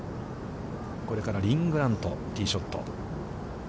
これからリン・グラントのティーショット。